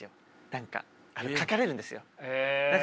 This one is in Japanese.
何か書かれるんですよ。